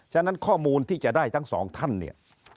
ฉะนั้นข้อมูลที่จะได้ทั้งสองท่านเนี่ย